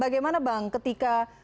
bagaimana bang ketika